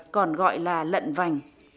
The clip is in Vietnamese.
còn gọi là lận vành